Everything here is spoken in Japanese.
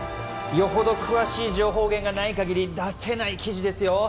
よほど詳しい情報源がない限り出せない記事ですよ